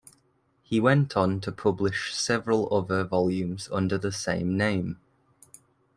He went on to publish several other volumes under the same name.